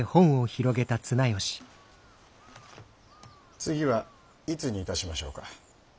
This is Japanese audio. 次はいつにいたしましょうか。